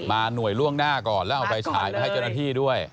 หน่วยล่วงหน้าก่อนแล้วเอาไฟฉายมาให้เจ้าหน้าที่ด้วย